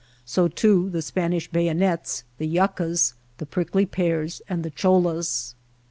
So too the Spanish bayonets^ the yuccas, the prickly pears and the choUas.